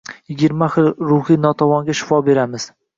Yigirma xil ruhiy notavonga shifo beramiz.